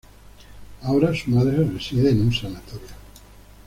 Ahora, su madre reside en un sanatorio.